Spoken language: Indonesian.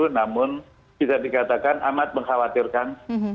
namun bisa dikatakan amat mengkhawatirkan